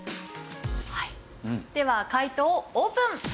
はいでは解答オープン。